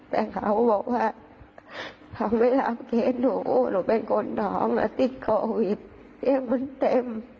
แต่เขาก็บอกว่าเขาไม่รับเคสหนูหนูเป็นคนน้องแล้วติดโควิดเตียงมันเต็ม